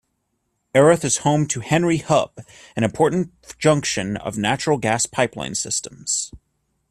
Erath is home to Henry Hub, an important junction of natural gas pipeline systems.